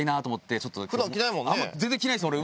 全然着ないです俺。